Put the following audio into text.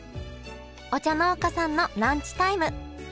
お茶農家さんのランチタイム。